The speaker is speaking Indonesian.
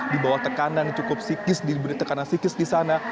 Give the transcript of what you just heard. di bawah tekanan cukup sikis diberi tekanan sikis di sana